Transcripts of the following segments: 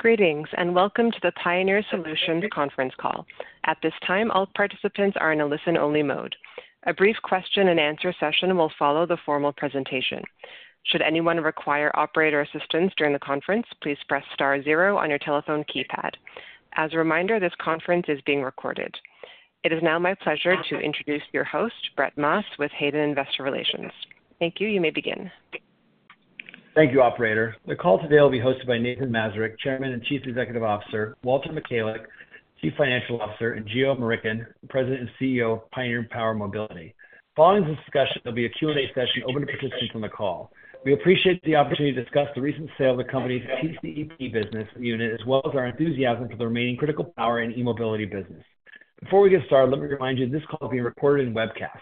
Greetings and welcome to the Pioneer Power Solutions conference call. At this time, all participants are in a listen-only mode. A brief question-and-answer session will follow the formal presentation. Should anyone require operator assistance during the conference, please press star zero on your telephone keypad. As a reminder, this conference is being recorded. It is now my pleasure to introduce your host, Brett Maas, with Hayden Investor Relations. Thank you. You may begin. Thank you, Operator. The call today will be hosted by Nathan Mazurek, Chairman and Chief Executive Officer; Walter Michalec, Chief Financial Officer; and Geo Murickan, President and CEO of Pioneer Power Mobility. Following this discussion, there'll be a Q&A session open to participants on the call. We appreciate the opportunity to discuss the recent sale of the company's PCEP business unit, as well as our enthusiasm for the remaining Critical Power and eMobility business. Before we get started, let me remind you this call is being recorded and webcast.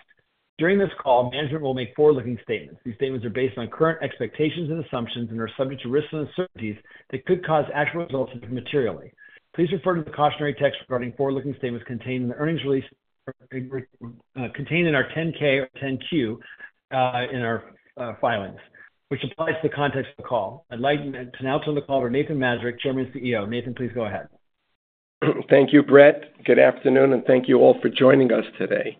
During this call, management will make forward-looking statements. These statements are based on current expectations and assumptions and are subject to risks and uncertainties that could cause actual results materially. Please refer to the cautionary text regarding forward-looking statements contained in the earnings release contained in our 10-K or 10-Q in our filings, which applies to the context of the call. I'd like to now turn the call to Nathan Mazurek, Chairman and CEO. Nathan, please go ahead. Thank you, Brett. Good afternoon, and thank you all for joining us today.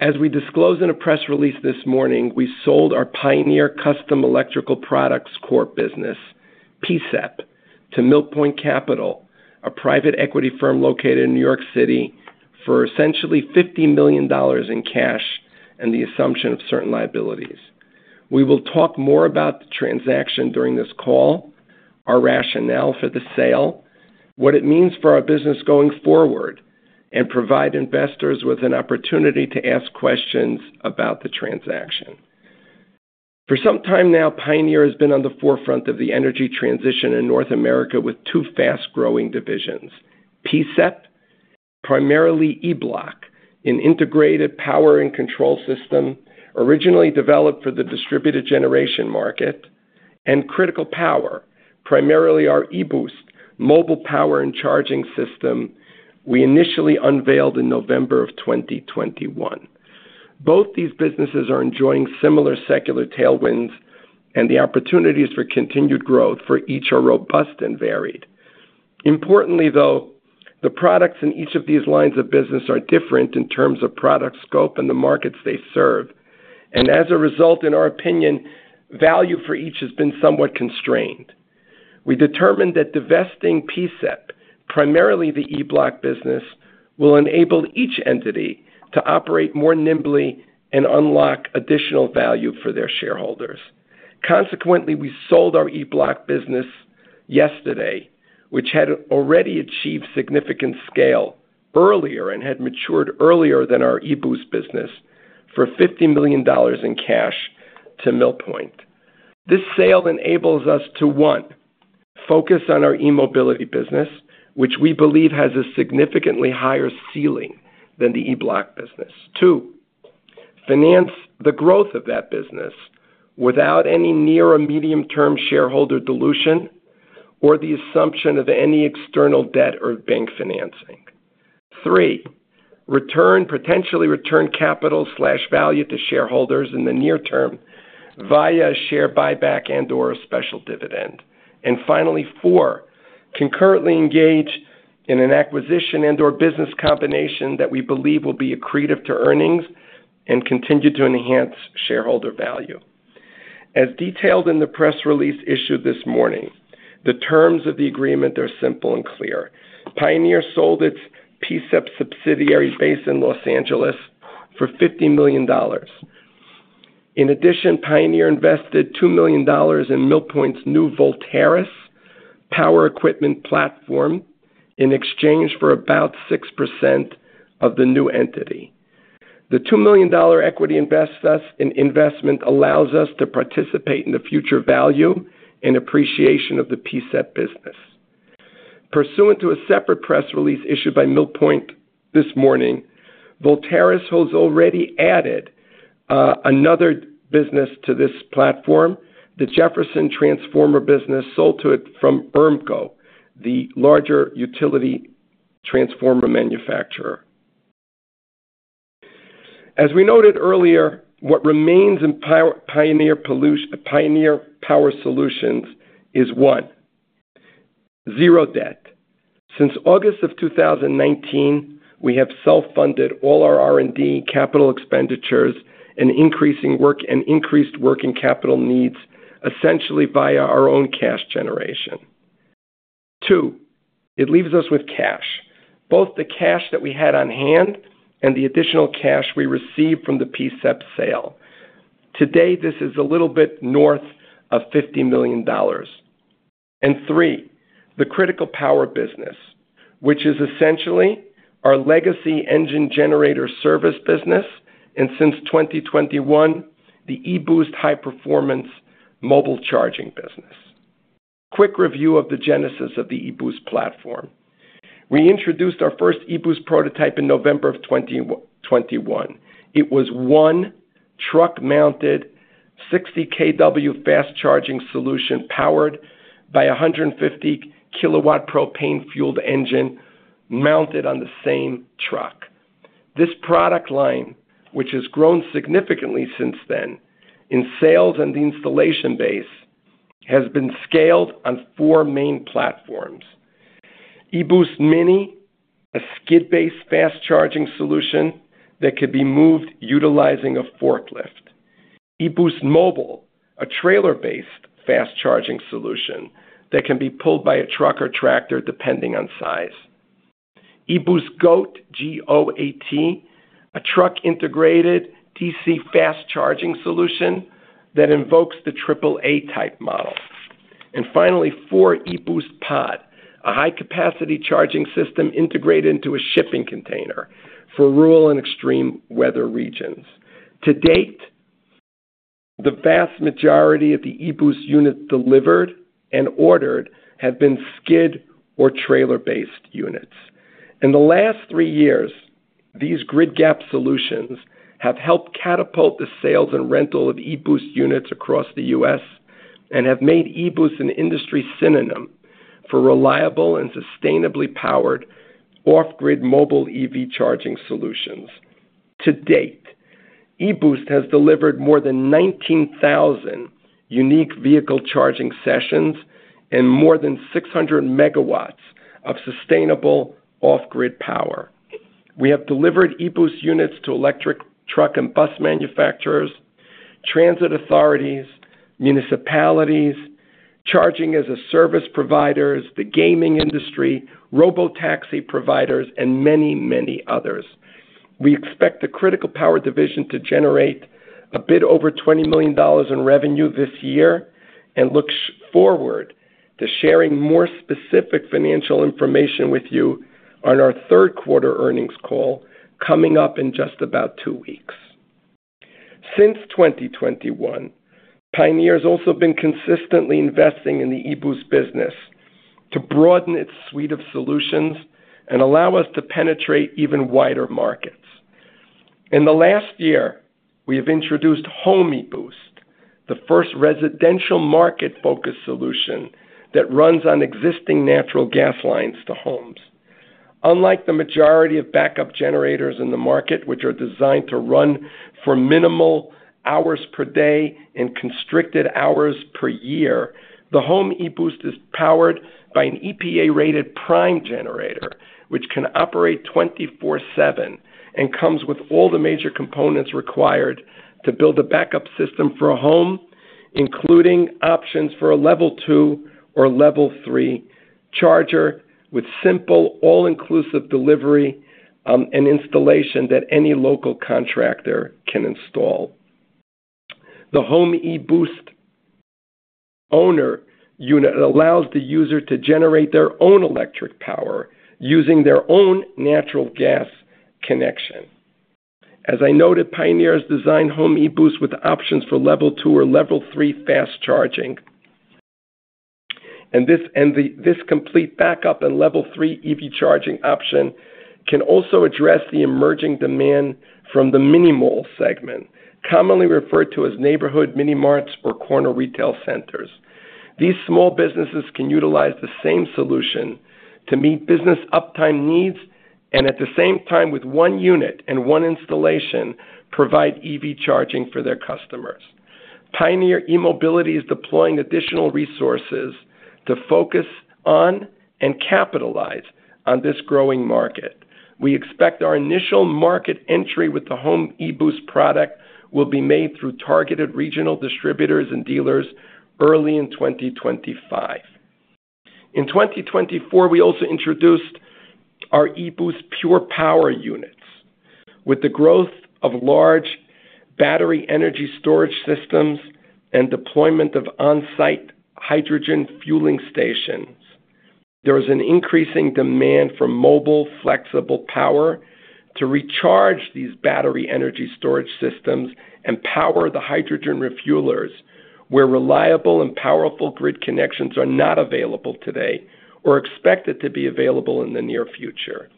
As we disclose in a press release this morning, we sold our Pioneer Custom Electrical Products core business, PCEP, to Mill Point Capital, a private equity firm located in New York City, for essentially $50 million in cash and the assumption of certain liabilities. We will talk more about the transaction during this call, our rationale for the sale, what it means for our business going forward, and provide investors with an opportunity to ask questions about the transaction. For some time now, Pioneer has been on the forefront of the energy transition in North America with two fast-growing divisions: PCEP, primarily E-Bloc, an integrated power and control system originally developed for the distributed generation market, and Critical Power, primarily our e-Boost Mobile power and charging system we initially unveiled in November of 2021. Both these businesses are enjoying similar secular tailwinds, and the opportunities for continued growth for each are robust and varied. Importantly, though, the products in each of these lines of business are different in terms of product scope and the markets they serve, and as a result, in our opinion, value for each has been somewhat constrained. We determined that divesting PCEP, primarily the E-Bloc business, will enable each entity to operate more nimbly and unlock additional value for their shareholders. Consequently, we sold our E-Bloc business yesterday, which had already achieved significant scale earlier and had matured earlier than our e-Boost business, for $50 million in cash to Mill Point. This sale enables us to, one, focus on our eMobility business, which we believe has a significantly higher ceiling than the E-Bloc business. Two, finance the growth of that business without any near or medium-term shareholder dilution or the assumption of any external debt or bank financing. Three, potentially return capital/value to shareholders in the near term via a share buyback and/or a special dividend. And finally, four, concurrently engage in an acquisition and/or business combination that we believe will be accretive to earnings and continue to enhance shareholder value. As detailed in the press release issued this morning, the terms of the agreement are simple and clear. Pioneer sold its PCEP subsidiary based in Los Angeles for $50 million. In addition, Pioneer invested $2 million in Mill Point's new Voltaris Power equipment platform in exchange for about 6% of the new entity. The $2 million equity investment allows us to participate in the future value and appreciation of the PCEP business. Pursuant to a separate press release issued by Mill Point this morning, Voltaris has already added another business to this platform, the Jefferson transformer business sold to it from ERMCO, the larger utility transformer manufacturer. As we noted earlier, what remains in Pioneer Power Solutions is, one, zero debt. Since August of 2019, we have self-funded all our R&D capital expenditures and increased working capital needs essentially via our own cash generation. Two, it leaves us with cash, both the cash that we had on hand and the additional cash we received from the PCEP sale. Today, this is a little bit north of $50 million. And three, the Critical Power business, which is essentially our legacy engine generator service business, and since 2021, the e-Boost high-performance mobile charging business. Quick review of the genesis of the e-Boost platform. We introduced our first e-Boost prototype in November of 2021. It was one truck-mounted 60 kW fast-charging solution powered by a 150 kW propane-fueled engine mounted on the same truck. This product line, which has grown significantly since then in sales and the installation base, has been scaled on four main platforms: e-Boost Mini, a skid-based fast-charging solution that could be moved utilizing a forklift, e-Boost mobile, a trailer-based fast-charging solution that can be pulled by a truck or tractor depending on size, e-Boost GOAT, G-O-A-T, a truck-integrated DC fast-charging solution that invokes the AAA-type model, and finally, the e-Boost POD, a high-capacity charging system integrated into a shipping container for rural and extreme weather regions. To date, the vast majority of the e-Boost units delivered and ordered have been skid or trailer-based units. In the last three years, these Grid-gap solutions have helped catapult the sales and rental of e-Boost units across the U.S. and have made e-Boost an industry synonym for reliable and sustainably powered off-grid mobile EV charging solutions. To date, e-Boost has delivered more than 19,000 unique vehicle charging sessions and more than 600 MW of sustainable off-grid power. We have delivered e-Boost units to electric truck and bus manufacturers, transit authorities, municipalities, charging-as-a-service providers, the gaming industry, robotaxi providers, and many, many others. We expect the Critical Power division to generate a bit over $20 million in revenue this year and look forward to sharing more specific financial information with you on our third quarter earnings call coming up in just about two weeks. Since 2021, Pioneer has also been consistently investing in the e-Boost business to broaden its suite of solutions and allow us to penetrate even wider markets. In the last year, we have introduced HOMe-Boost, the first residential market-focused solution that runs on existing natural gas lines to homes. Unlike the majority of backup generators in the market, which are designed to run for minimal hours per day and constricted hours per year, the HOMe-Boost is powered by an EPA-rated prime generator, which can operate 24/7 and comes with all the major components required to build a backup system for a home, including options for a Level 2 or Level 3 charger with simple all-inclusive delivery and installation that any local contractor can install. The HOMe-Boost owner unit allows the user to generate their own electric power using their own natural gas connection. As I noted, Pioneer has designed HOMe-Boost with options for Level 2 or Level 3 fast charging, and this complete backup and Level 3 EV charging option can also address the emerging demand from the mini-mall segment, commonly referred to as neighborhood mini-marts or corner retail centers. These small businesses can utilize the same solution to meet business uptime needs and, at the same time, with one unit and one installation, provide EV charging for their customers. Pioneer eMobility is deploying additional resources to focus on and capitalize on this growing market. We expect our initial market entry with the HOMe-Boost product will be made through targeted regional distributors and dealers early in 2025. In 2024, we also introduced our e-Boost Pure Power units. With the growth of large battery energy storage systems and deployment of on-site hydrogen fueling stations, there is an increasing demand for mobile, flexible power to recharge these battery energy storage systems and power the hydrogen refuelers where reliable and powerful grid connections are not available today or expected to be available in the near future.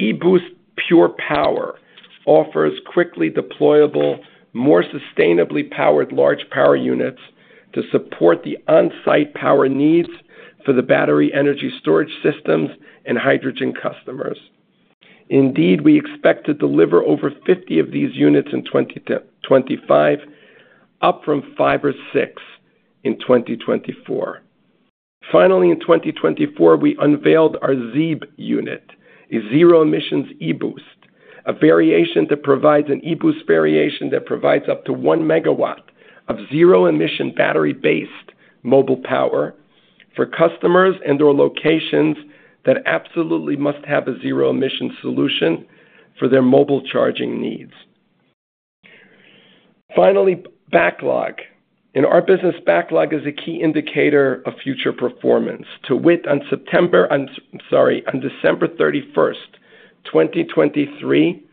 e-Boost Pure Power offers quickly deployable, more sustainably powered large power units to support the on-site power needs for the battery energy storage systems and hydrogen customers. Indeed, we expect to deliver over 50 of these units in 2025, up from five or six in 2024. Finally, in 2024, we unveiled our ZEeB unit, a Zero Emission e-Boost, a variation that provides up to one megawatt of Zero Emission battery-based mobile power for customers and/or locations that absolutely must have a Zero Emission solution for their mobile charging needs. Finally, backlog. In our business, backlog is a key indicator of future performance. To wit, on September, I'm sorry, on December 31st, 2023,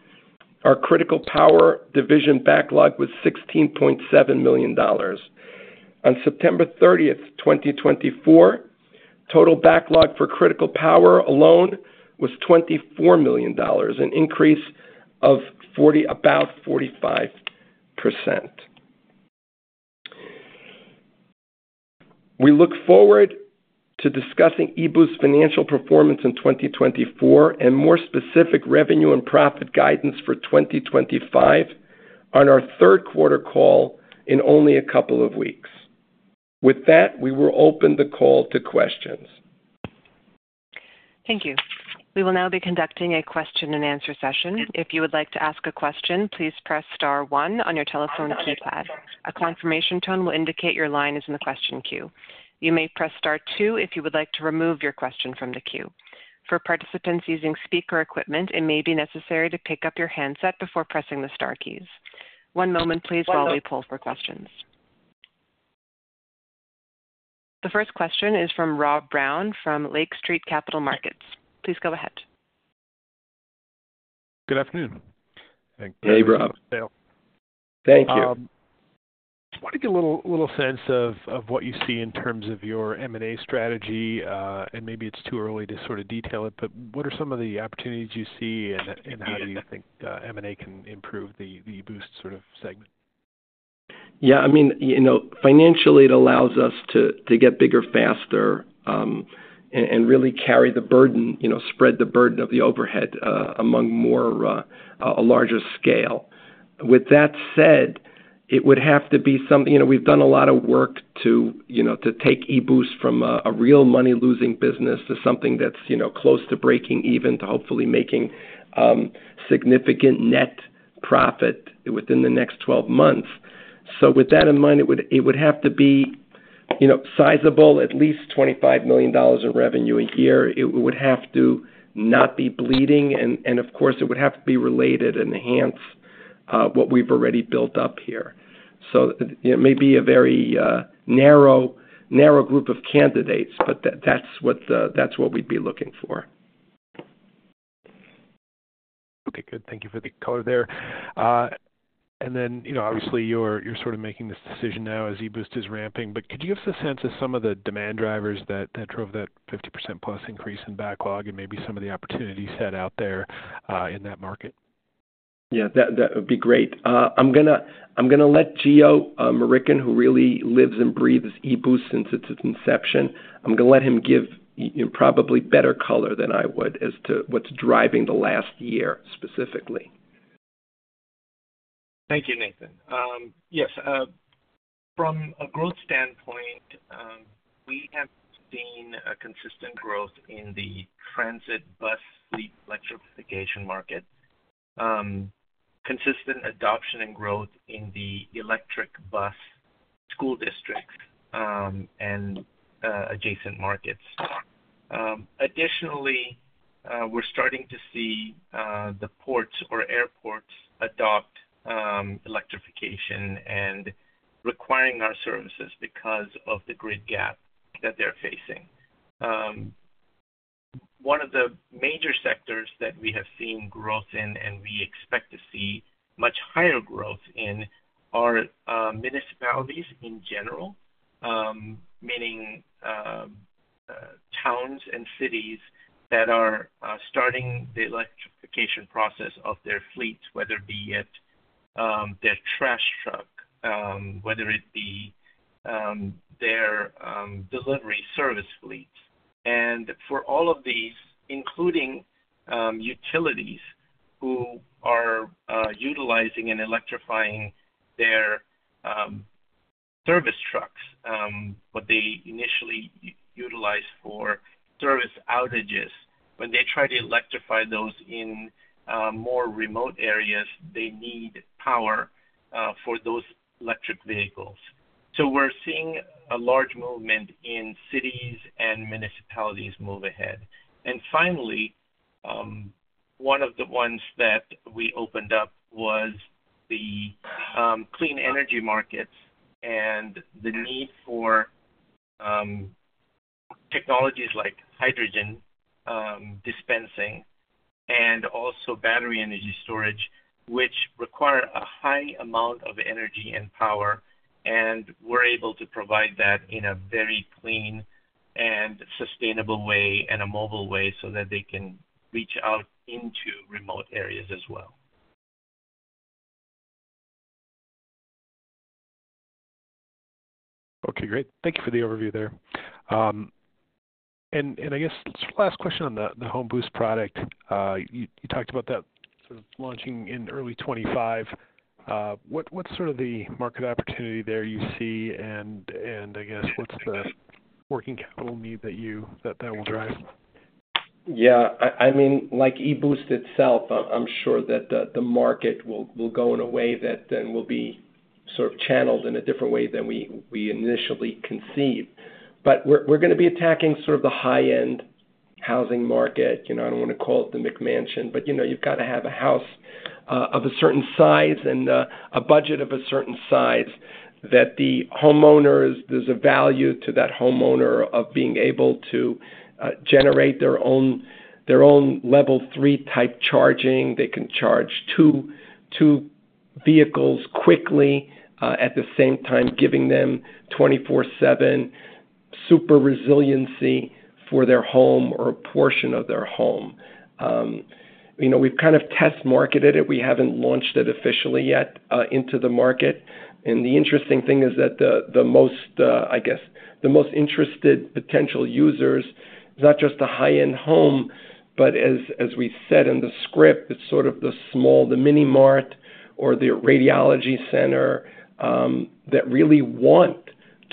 our Critical Power division backlog was $16.7 million. On September 30th, 2024, total backlog for Critical Power alone was $24 million, an increase of about 45%. We look forward to discussing e-Boost financial performance in 2024 and more specific revenue and profit guidance for 2025 on our third quarter call in only a couple of weeks. With that, we will open the call to questions. Thank you. We will now be conducting a question-and-answer session. If you would like to ask a question, please press star one on your telephone keypad. A confirmation tone will indicate your line is in the question queue. You may press star two if you would like to remove your question from the queue. For participants using speaker equipment, it may be necessary to pick up your handset before pressing the star keys. One moment, please, while we pull for questions. The first question is from Rob Brown from Lake Street Capital Markets. Please go ahead. Good afternoon. Hey, Rob. Thank you. I want to get a little sense of what you see in terms of your M&A strategy, and maybe it's too early to sort of detail it, but what are some of the opportunities you see, and how do you think M&A can improve the e-Boost sort of segment? Yeah. I mean, financially, it allows us to get bigger, faster, and really carry the burden, spread the burden of the overhead among a larger scale. With that said, it would have to be something, we've done a lot of work to take e-Boost from a real money-losing business to something that's close to breaking even to hopefully making significant net profit within the next 12 months. So with that in mind, it would have to be sizable, at least $25 million in revenue a year. It would have to not be bleeding, and of course, it would have to be related and enhance what we've already built up here. So it may be a very narrow group of candidates, but that's what we'd be looking for. Okay. Good. Thank you for the color there. And then, obviously, you're sort of making this decision now as e-Boost is ramping, but could you give us a sense of some of the demand drivers that drove that 50%+ increase in backlog and maybe some of the opportunity set out there in that market? Yeah. That would be great. I'm going to let Geo Murickan, who really lives and breathes e-Boost since its inception, I'm going to let him give probably better color than I would as to what's driving the last year specifically. Thank you, Nathan. Yes. From a growth standpoint, we have seen consistent growth in the transit bus electrification market, consistent adoption and growth in the electric bus school districts and adjacent markets. Additionally, we're starting to see the ports or airports adopt electrification and requiring our services because of the grid gap that they're facing. One of the major sectors that we have seen growth in, and we expect to see much higher growth in, are municipalities in general, meaning towns and cities that are starting the electrification process of their fleets, whether it be their trash truck, whether it be their delivery service fleets, and for all of these, including utilities who are utilizing and electrifying their service trucks, what they initially utilized for service outages, when they try to electrify those in more remote areas, they need power for those electric vehicles. So we're seeing a large movement in cities and municipalities move ahead. And finally, one of the ones that we opened up was the clean energy markets and the need for technologies like hydrogen dispensing and also battery energy storage, which require a high amount of energy and power and were able to provide that in a very clean and sustainable way and a mobile way so that they can reach out into remote areas as well. Okay. Great. Thank you for the overview there. And I guess last question on the HOMe-Boost product. You talked about that sort of launching in early 2025. What's sort of the market opportunity there you see? And I guess what's the working capital need that will drive? Yeah. I mean, like e-Boost itself, I'm sure that the market will go in a way that then will be sort of channeled in a different way than we initially conceived. But we're going to be attacking sort of the high-end housing market. I don't want to call it the McMansion, but you've got to have a house of a certain size and a budget of a certain size that the homeowners, there's a value to that homeowner of being able to generate their own Level 3-type charging. They can charge two vehicles quickly at the same time, giving them 24/7 super resiliency for their home or a portion of their home. We've kind of test marketed it. We haven't launched it officially yet into the market. The interesting thing is that the most, I guess, the most interested potential users is not just a high-end home, but as we said in the script, it's sort of the small, the mini-mart or the radiology center that really want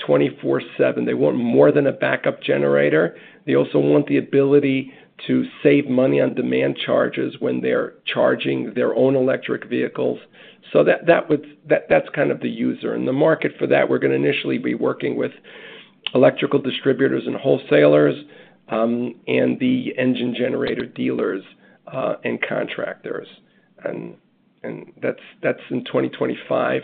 24/7. They want more than a backup generator. They also want the ability to save money on demand charges when they're charging their own electric vehicles. That's kind of the user. The market for that, we're going to initially be working with electrical distributors and wholesalers and the engine generator dealers and contractors. That's in 2025.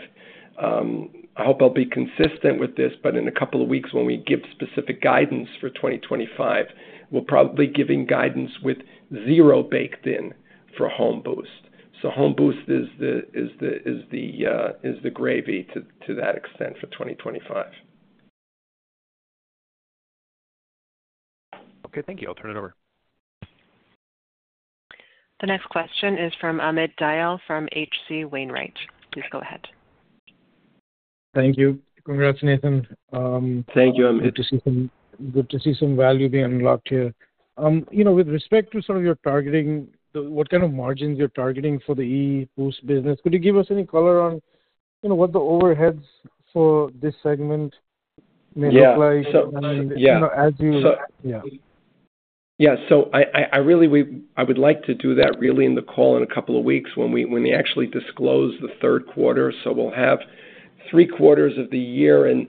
I hope I'll be consistent with this, but in a couple of weeks when we give specific guidance for 2025, we'll probably be giving guidance with zero baked in for HOMe-Boost. HOMe-Boost is the gravy to that extent for 2025. Okay. Thank you. I'll turn it over. The next question is from Amit Dayal from H.C. Wainwright. Please go ahead. Thank you. Congrats, Nathan. Thank you. Good to see some value being unlocked here. With respect to sort of your targeting, what kind of margins you're targeting for the e-Boost business? Could you give us any color on what the overheads for this segment may look like? And then as you, yeah. Yeah. So I would like to do that really in the call in a couple of weeks when we actually disclose the third quarter. So we'll have three quarters of the year and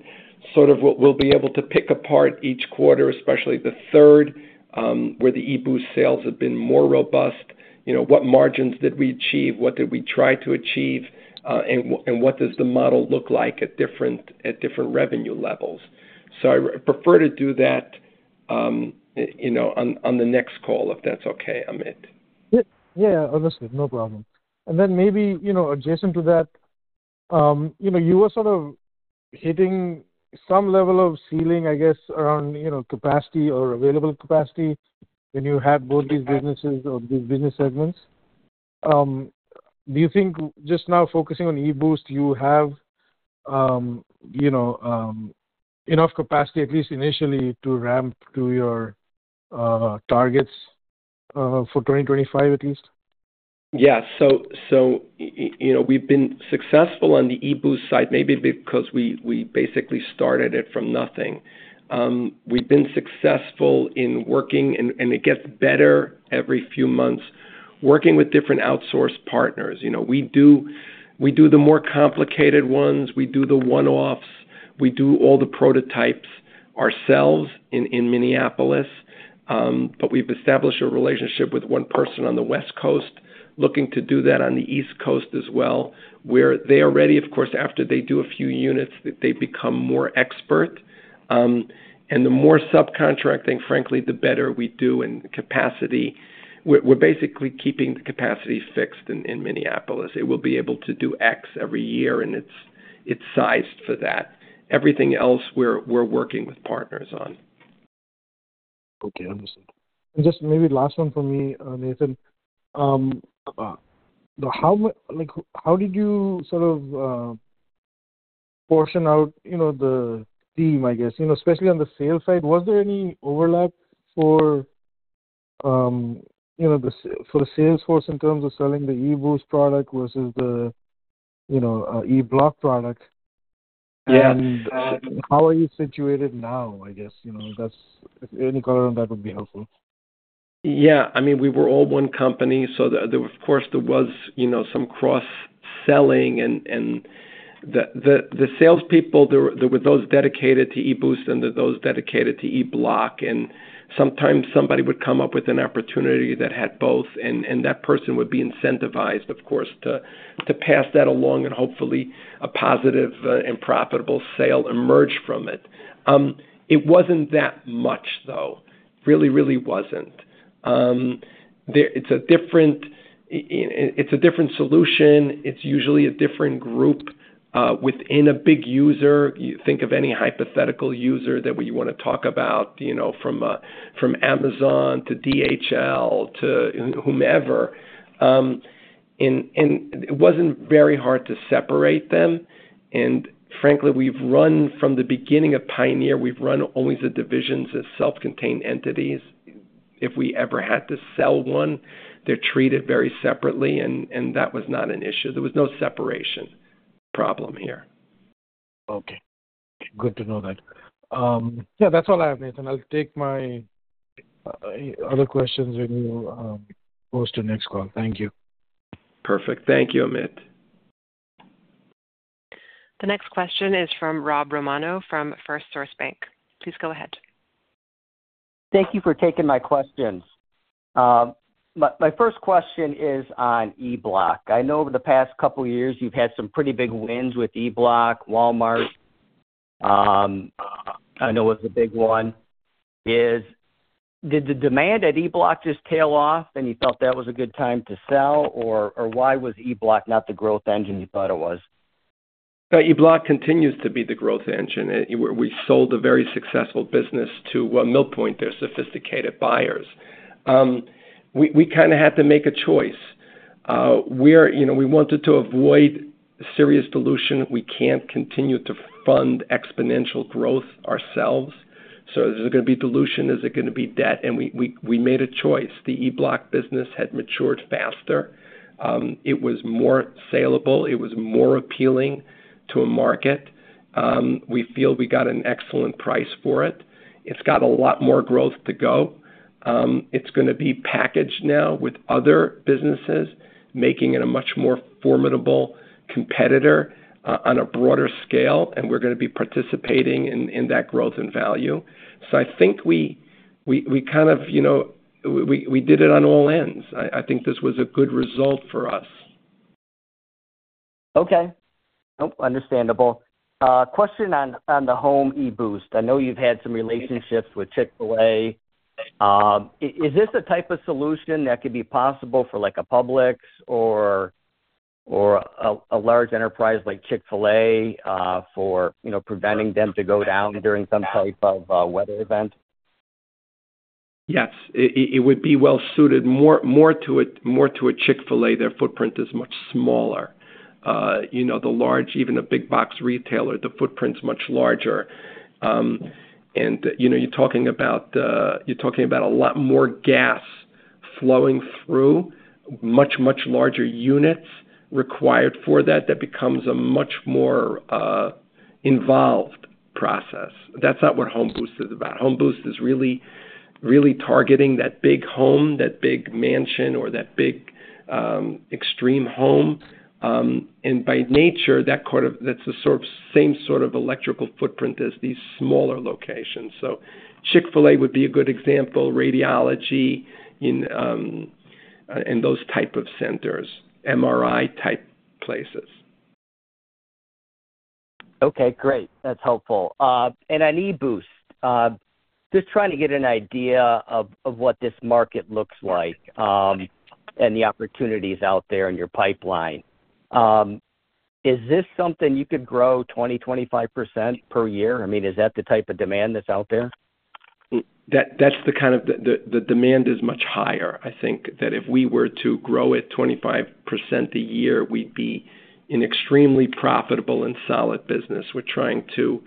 sort of we'll be able to pick apart each quarter, especially the third where the e-Boost sales have been more robust. What margins did we achieve? What did we try to achieve? And what does the model look like at different revenue levels? So I prefer to do that on the next call if that's okay, Amit. Yeah. Yeah. Absolutely. No problem. And then maybe adjacent to that, you were sort of hitting some level of ceiling, I guess, around capacity or available capacity when you had both these businesses or these business segments. Do you think just now focusing on e-Boost, you have enough capacity, at least initially, to ramp to your targets for 2025 at least? Yeah. So, we've been successful on the e-Boost side, maybe because we basically started it from nothing. We've been successful in working, and it gets better every few months, working with different outsourced partners. We do the more complicated ones. We do the one-offs. We do all the prototypes ourselves in Minneapolis. But we've established a relationship with one person on the West Coast looking to do that on the East Coast as well, where they are ready, of course. After they do a few units, they become more expert. And the more subcontracting, frankly, the better we do in capacity. We're basically keeping the capacity fixed in Minneapolis. It will be able to do X every year, and it's sized for that. Everything else we're working with partners on. Okay. Understood. And just maybe last one for me, Nathan. How did you sort of portion out the team, I guess, especially on the sales side? Was there any overlap for the salesforce in terms of selling the e-Boost product versus the E-Bloc product? And how are you situated now, I guess? Any color on that would be helpful. Yeah. I mean, we were all one company, so of course there was some cross-selling. The salespeople, there were those dedicated to e-Boost and there were those dedicated to E-Bloc. Sometimes somebody would come up with an opportunity that had both, and that person would be incentivized, of course, to pass that along and hopefully a positive and profitable sale emerge from it. It wasn't that much, though. Really, really wasn't. It's a different solution. It's usually a different group within a big user. You think of any hypothetical user that you want to talk about from Amazon to DHL to whomever. It wasn't very hard to separate them. Frankly, we've run from the beginning of Pioneer, we've run always the divisions as self-contained entities. If we ever had to sell one, they're treated very separately, and that was not an issue. There was no separation problem here. Okay. Good to know that. Yeah. That's all I have, Nathan. I'll take my other questions when we go to the next call. Thank you. Perfect. Thank you, Amit. The next question is from Rob Romano from 1st Source Bank. Please go ahead. Thank you for taking my questions. My first question is on E-Bloc. I know over the past couple of years you've had some pretty big wins with E-Bloc. Walmart, I know it was a big one. Did the demand at E-Bloc just tail off and you felt that was a good time to sell, or why was E-Bloc not the growth engine you thought it was? E-Bloc continues to be the growth engine. We sold a very successful business to Mill Point, their sophisticated buyers. We kind of had to make a choice. We wanted to avoid serious dilution. We can't continue to fund exponential growth ourselves. So is it going to be dilution? Is it going to be debt, and we made a choice. The E-Bloc business had matured faster. It was more saleable. It was more appealing to a market. We feel we got an excellent price for it. It's got a lot more growth to go. It's going to be packaged now with other businesses, making it a much more formidable competitor on a broader scale, and we're going to be participating in that growth and value. So I think we kind of did it on all ends. I think this was a good result for us. Okay. Nope. Understandable. Question on the HOMe-Boost. I know you've had some relationships with Chick-fil-A. Is this the type of solution that could be possible for a Publix or a large enterprise like Chick-fil-A for preventing them to go down during some type of weather event? Yes. It would be well suited more to a Chick-fil-A. Their footprint is much smaller. The large, even a big-box retailer, the footprint's much larger. And you're talking about a lot more gas flowing through, much, much larger units required for that. That becomes a much more involved process. That's not what HOMe-Boost is about. HOMe-Boost is really targeting that big home, that big mansion, or that big extreme home. And by nature, that's the same sort of electrical footprint as these smaller locations. So Chick-fil-A would be a good example, radiology, and those type of centers, MRI-type places. Okay. Great. That's helpful. And on e-Boost, just trying to get an idea of what this market looks like and the opportunities out there in your pipeline. Is this something you could grow 20%-25% per year? I mean, is that the type of demand that's out there? That's the kind of demand is much higher. I think that if we were to grow it 25% a year, we'd be an extremely profitable and solid business. We're trying to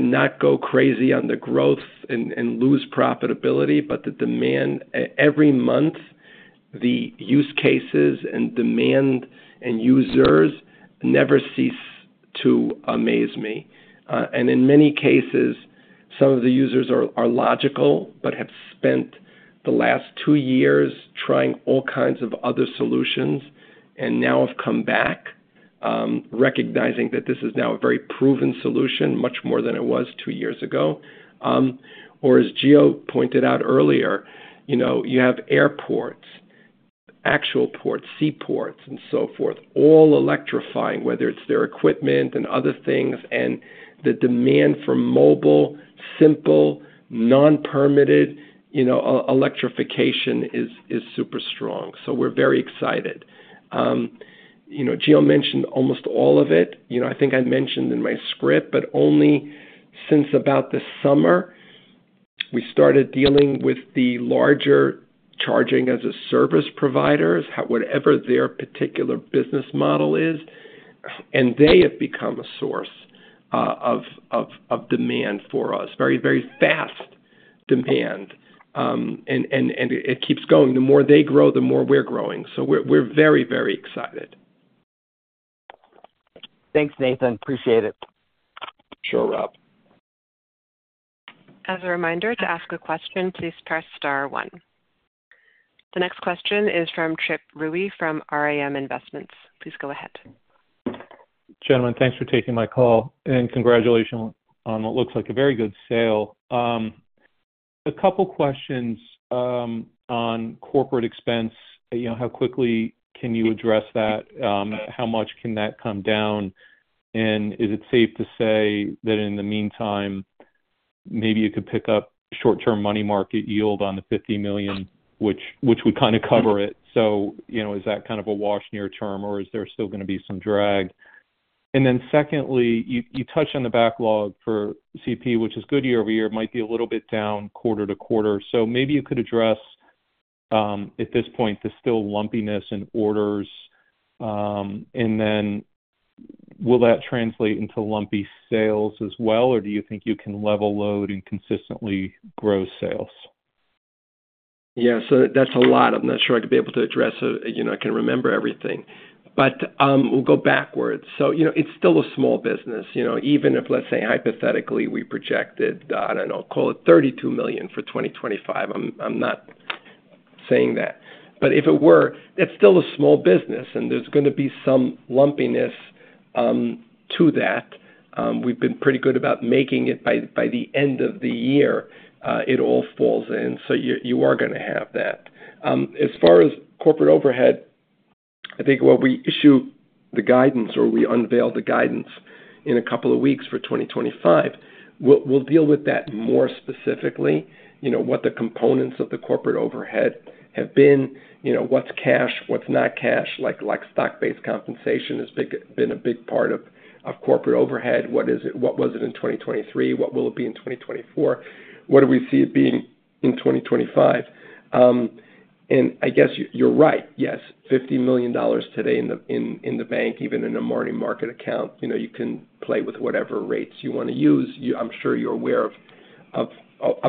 not go crazy on the growth and lose profitability, but the demand every month, the use cases and demand and users never cease to amaze me. And in many cases, some of the users are logical but have spent the last two years trying all kinds of other solutions and now have come back recognizing that this is now a very proven solution much more than it was two years ago. Or as Geo pointed out earlier, you have airports, actual ports, seaports, and so forth, all electrifying, whether it's their equipment and other things. And the demand for mobile, simple, non-permitted electrification is super strong. So we're very excited. Geo mentioned almost all of it. I think I mentioned in my script, but only since about the summer, we started dealing with the larger charging-as-a-service providers, whatever their particular business model is. And they have become a source of demand for us, very, very fast demand. And it keeps going. The more they grow, the more we're growing. So we're very, very excited. Thanks, Nathan. Appreciate it. Sure, Rob. As a reminder, to ask a question, please press star one. The next question is from [Trip Rooe] from RIM Investments. Please go ahead. Gentlemen, thanks for taking my call. And congratulations on what looks like a very good sale. A couple of questions on corporate expense. How quickly can you address that? How much can that come down? And is it safe to say that in the meantime, maybe you could pick up short-term money market yield on the $50 million, which would kind of cover it? So is that kind of a wash near term, or is there still going to be some drag? And then secondly, you touched on the backlog for CP, which is good year over year. It might be a little bit down quarter to quarter. So maybe you could address at this point the still lumpiness in orders. And then will that translate into lumpy sales as well, or do you think you can level load and consistently grow sales? Yeah. So that's a lot. I'm not sure I could be able to address it. I can't remember everything. But we'll go backwards. So it's still a small business. Even if, let's say, hypothetically, we projected, I don't know, call it $32 million for 2025. I'm not saying that. But if it were, that's still a small business, and there's going to be some lumpiness to that. We've been pretty good about making it by the end of the year. It all falls in. So you are going to have that. As far as corporate overhead, I think we'll issue the guidance or we unveil the guidance in a couple of weeks for 2025. We'll deal with that more specifically, what the components of the corporate overhead have been, what's cash, what's not cash, like stock-based compensation has been a big part of corporate overhead. What was it in 2023? What will it be in 2024? What do we see it being in 2025? And I guess you're right. Yes. $50 million today in the bank, even in a money market account. You can play with whatever rates you want to use. I'm sure you're aware of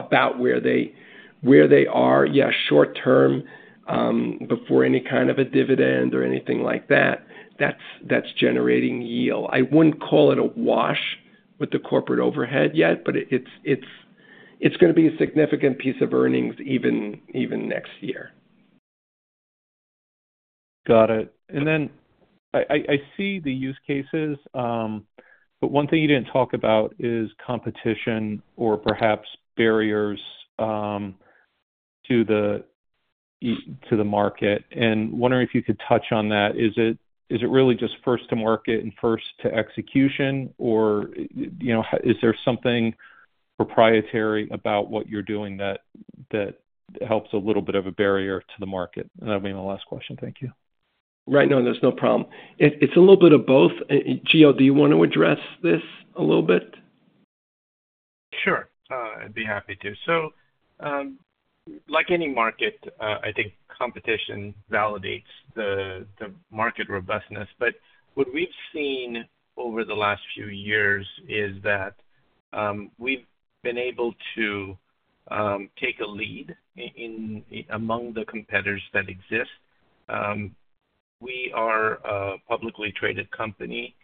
about where they are. Yeah. Short-term, before any kind of a dividend or anything like that, that's generating yield. I wouldn't call it a wash with the corporate overhead yet, but it's going to be a significant piece of earnings even next year. Got it. And then I see the use cases, but one thing you didn't talk about is competition or perhaps barriers to the market. And wondering if you could touch on that. Is it really just first to market and first to execution, or is there something proprietary about what you're doing that helps a little bit of a barrier to the market? And that would be my last question. Thank you. Right. No, there's no problem. It's a little bit of both. Geo, do you want to address this a little bit? Sure. I'd be happy to. So like any market, I think competition validates the market robustness. But what we've seen over the last few years is that we've been able to take a lead among the competitors that exist. We are a publicly traded company.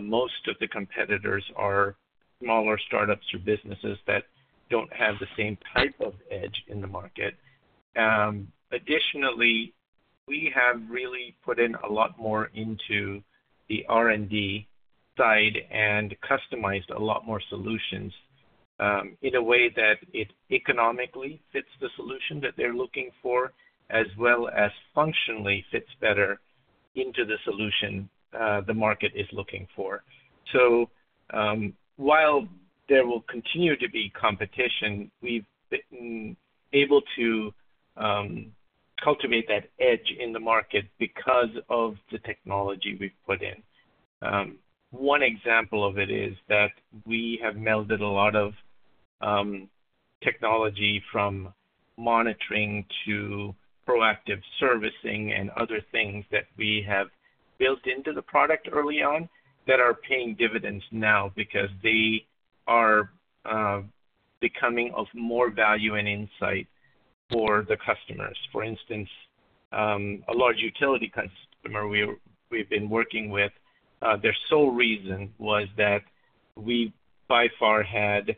Most of the competitors are smaller startups or businesses that don't have the same type of edge in the market. Additionally, we have really put in a lot more into the R&D side and customized a lot more solutions in a way that it economically fits the solution that they're looking for, as well as functionally fits better into the solution the market is looking for. So while there will continue to be competition, we've been able to cultivate that edge in the market because of the technology we've put in. One example of it is that we have melded a lot of technology from monitoring to proactive servicing and other things that we have built into the product early on that are paying dividends now because they are becoming of more value and insight for the customers. For instance, a large utility customer we've been working with, their sole reason was that we by far had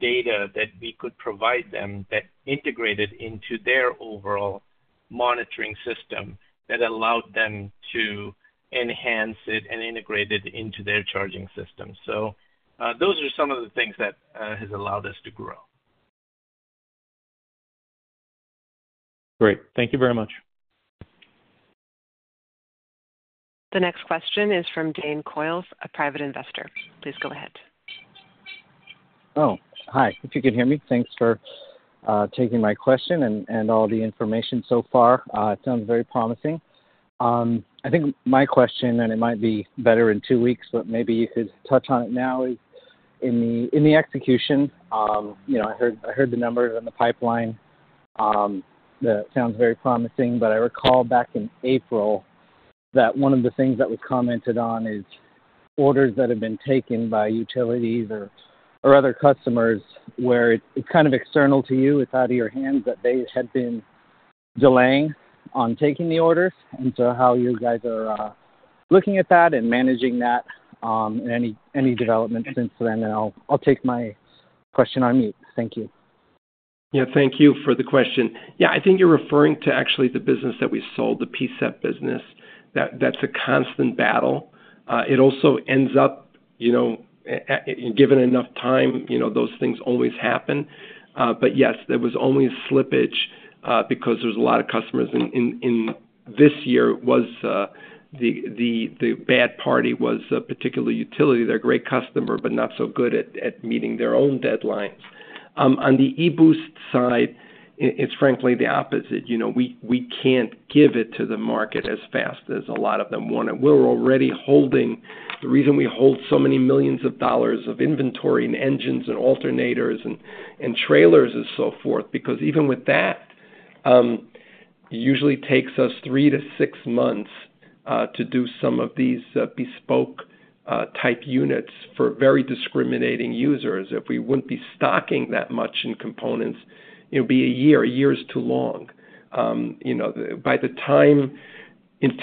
data that we could provide them that integrated into their overall monitoring system that allowed them to enhance it and integrate it into their charging system. So those are some of the things that have allowed us to grow. Great. Thank you very much. The next question is from [Dane Coils], a private investor. Please go ahead. Oh, hi. If you can hear me, thanks for taking my question and all the information so far. It sounds very promising. I think my question, and it might be better in two weeks, but maybe you could touch on it now, is in the execution. I heard the numbers on the pipeline. That sounds very promising. But I recall back in April that one of the things that was commented on is orders that have been taken by utilities or other customers where it's kind of external to you. It's out of your hands that they had been delaying on taking the orders. And so how you guys are looking at that and managing that and any developments since then. And I'll take my question on mute. Thank you. Yeah. Thank you for the question. Yeah. I think you're referring to actually the business that we sold, the PCEP business. That's a constant battle. It also ends up, given enough time, those things always happen. But yes, there was only a slippage because there was a lot of customers in this year. The bad part was a particular utility. They're a great customer, but not so good at meeting their own deadlines. On the e-Boost side, it's frankly the opposite. We can't give it to the market as fast as a lot of them want it. We're already holding the reason we hold so many millions of dollars of inventory and engines and alternators and trailers and so forth because even with that, it usually takes us three to six months to do some of these bespoke-type units for very discriminating users. If we wouldn't be stocking that much in components, it would be a year. A year is too long.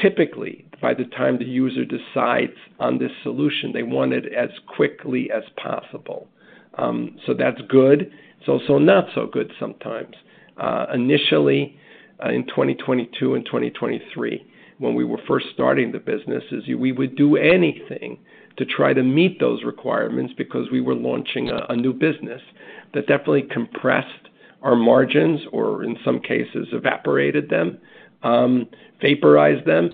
Typically, by the time the user decides on this solution, they want it as quickly as possible. So that's good. It's also not so good sometimes. Initially, in 2022 and 2023, when we were first starting the businesses, we would do anything to try to meet those requirements because we were launching a new business that definitely compressed our margins or, in some cases, evaporated them, vaporized them.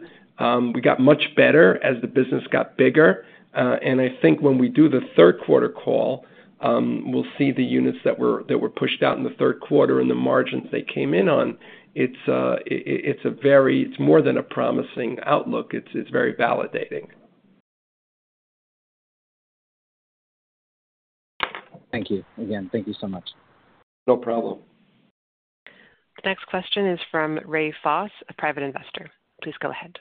We got much better as the business got bigger. And I think when we do the third quarter call, we'll see the units that were pushed out in the third quarter and the margins they came in on. It's more than a promising outlook. It's very validating. Thank you. Again, thank you so much. No problem. The next question is from [Ray Foss], a private investor. Please go ahead.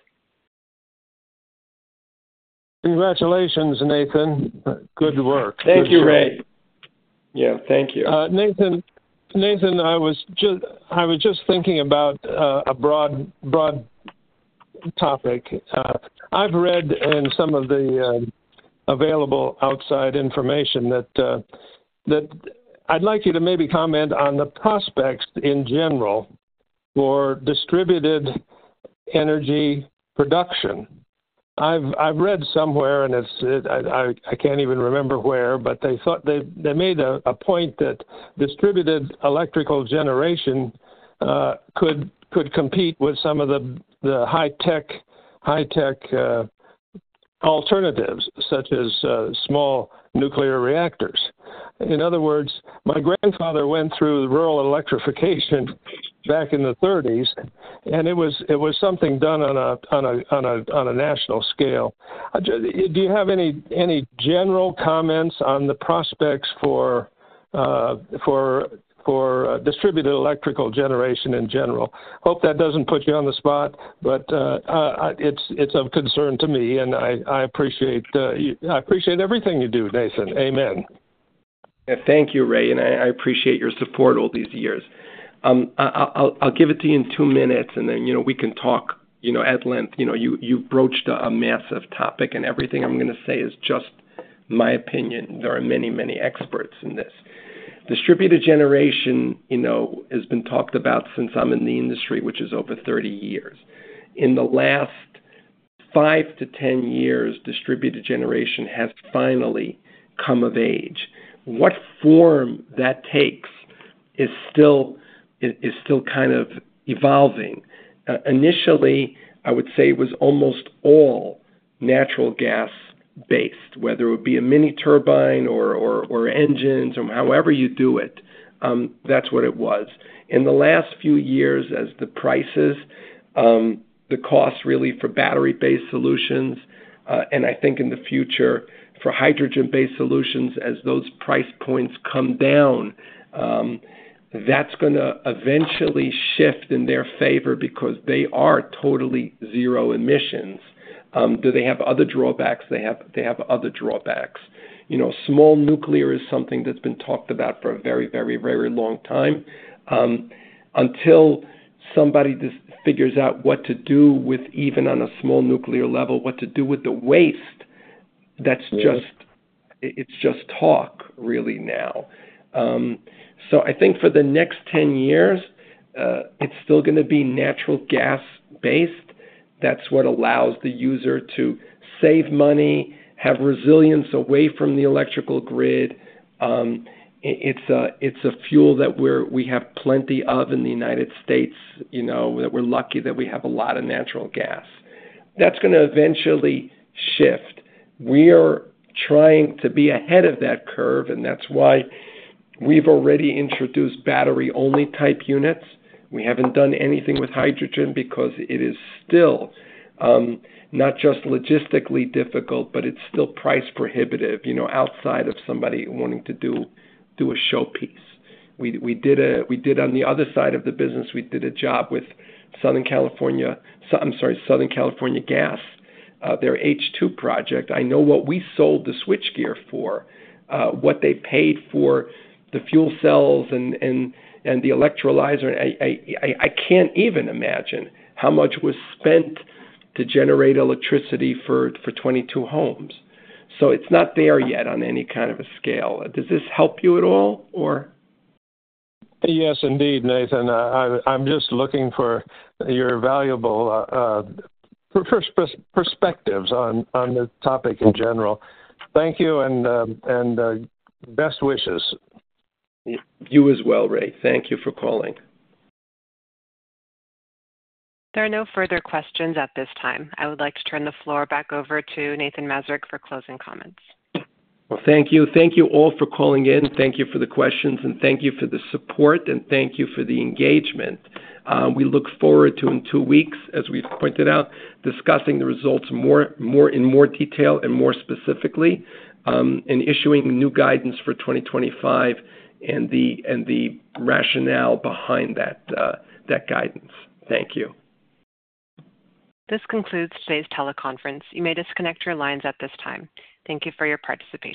Congratulations, Nathan. Good work. Thank you, Ray. Yeah. Thank you. Nathan, I was just thinking about a broad topic. I've read in some of the available outside information that I'd like you to maybe comment on the prospects in general for distributed energy production. I've read somewhere, and I can't even remember where, but they made a point that distributed electrical generation could compete with some of the high-tech alternatives, such as small nuclear reactors. In other words, my grandfather went through rural electrification back in the 1930s, and it was something done on a national scale. Do you have any general comments on the prospects for distributed electrical generation in general? Hope that doesn't put you on the spot, but it's of concern to me, and I appreciate everything you do, Nathan. Amen. Yeah. Thank you, Ray. And I appreciate your support all these years. I'll give it to you in two minutes, and then we can talk at length. You've broached a massive topic, and everything I'm going to say is just my opinion. There are many, many experts in this. Distributed generation has been talked about since I'm in the industry, which is over 30 years. In the last 5 years-10 years, distributed generation has finally come of age. What form that takes is still kind of evolving. Initially, I would say it was almost all natural gas-based, whether it would be a mini turbine or engines or however you do it. That's what it was. In the last few years, as the prices, the cost really for battery-based solutions, and I think in the future for hydrogen-based solutions, as those price points come down, that's going to eventually shift in their favor because they are totally zero emissions. Do they have other drawbacks? They have other drawbacks. Small nuclear is something that's been talked about for a very, very, very long time. Until somebody figures out what to do with even on a small nuclear level, what to do with the waste, it's just talk really now. So I think for the next 10 years, it's still going to be natural gas-based. That's what allows the user to save money, have resilience away from the electrical grid. It's a fuel that we have plenty of in the United States, that we're lucky that we have a lot of natural gas. That's going to eventually shift. We are trying to be ahead of that curve, and that's why we've already introduced battery-only type units. We haven't done anything with hydrogen because it is still not just logistically difficult, but it's still price prohibitive outside of somebody wanting to do a showpiece. We did on the other side of the business, we did a job with Southern California, I'm sorry, Southern California Gas, their H2 project. I know what we sold the switchgear for, what they paid for the fuel cells and the electrolyzer. I can't even imagine how much was spent to generate electricity for 22 homes. So it's not there yet on any kind of a scale. Does this help you at all, or? Yes, indeed, Nathan. I'm just looking for your valuable perspectives on the topic in general. Thank you and best wishes. You as well, Ray. Thank you for calling. There are no further questions at this time. I would like to turn the floor back over to Nathan Mazurek for closing comments. Thank you. Thank you all for calling in. Thank you for the questions, and thank you for the support, and thank you for the engagement. We look forward to, in two weeks, as we've pointed out, discussing the results in more detail and more specifically and issuing new guidance for 2025 and the rationale behind that guidance. Thank you. This concludes today's teleconference. You may disconnect your lines at this time. Thank you for your participation.